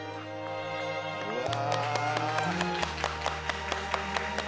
うわ。